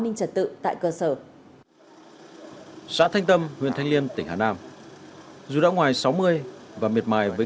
an ninh trật tự tại cơ sở xã thanh tâm huyện thanh liêm tỉnh hà nam dù đã ngoài sáu mươi và miệt mài với